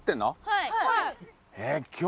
はい。